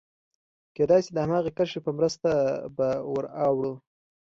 کېدای شي د هماغې کرښې په مرسته به ور اوړو.